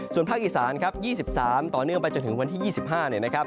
ส่วนภาคอีสาน๒๓ต่อเนื่องไปจนถึงวันที่๒๕